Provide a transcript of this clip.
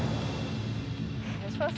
お願いします。